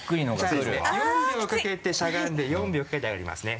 ４秒かけてしゃがんで４秒かけてあがりますね。